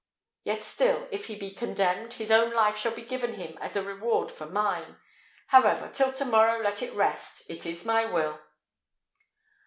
Yet still, if he be condemned, his own life shall be given him as a reward for mine. However, till tomorrow let it rest. It is my will!"